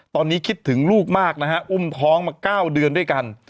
ตอนนี้คิดถึงลูกมากนะฮะอุ้มท้องมา๙เดือนด้วยกัน